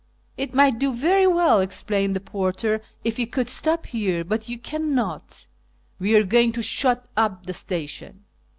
" It might do very well," explained the porter, " if you could stop here, but you cannot. We are going to shut up the station."